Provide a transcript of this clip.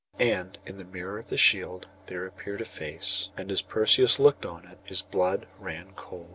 And in the mirror of the shield there appeared a face, and as Perseus looked on it his blood ran cold.